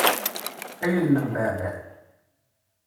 Ay udem n baɛbaɛ!